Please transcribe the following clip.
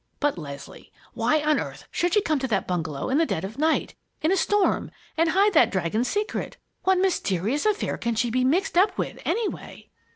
"But Leslie, why on earth should she come to that bungalow in the dead of night, in a storm, and hide that 'Dragon's Secret'? What mysterious affair can she be mixed up with, anyway?"